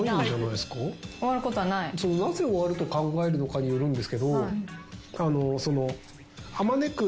なぜ終わると考えるのかによるんですけどあまねく。